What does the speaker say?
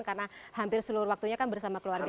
karena hampir seluruh waktunya kan bersama keluarga